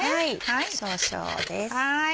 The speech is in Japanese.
少々です。